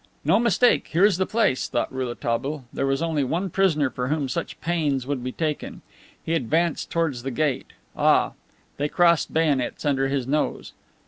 "No mistake; here is the place," thought Rouletabille. There was only one prisoner for whom such pains would be taken. He advanced towards the gate. Ah! They crossed bayonets under his nose.